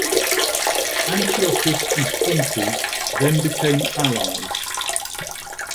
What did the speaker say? Antiochus and Pompey then became allies.